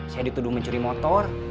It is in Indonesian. saya dituduh mencuri motor